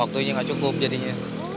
waktunya gak cukup jadinya